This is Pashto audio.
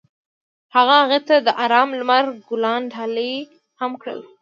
هغه هغې ته د آرام لمر ګلان ډالۍ هم کړل.